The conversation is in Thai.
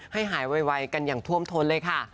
หายไวกันอย่างท่วมทนเลยค่ะ